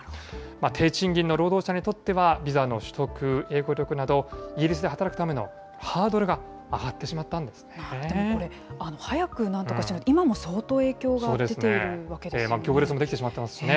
低賃金の労働者にとっては、ビザの取得、英語力など、イギリスで働くためのハードルが上がってしこれ、早くなんとかしないと、今も相当、影響が出ているわけですよね。